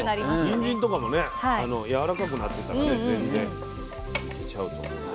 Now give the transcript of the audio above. にんじんとかもねやわらかくなってたら全然いけちゃうと思う。